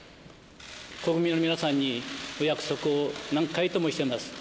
国民の皆さんにお約束を何回ともしてます。